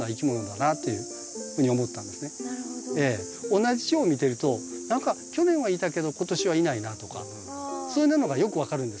同じチョウを見てると何か去年はいたけど今年はいないなとかそういうものがよく分かるんですよ。